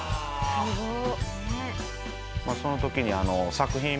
すごっ。